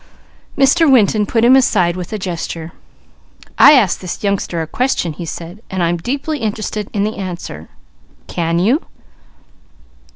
Mr. Winton put him aside with a gesture. "I asked this youngster a question," he said, "and I'm deeply interested in the answer. _Can you?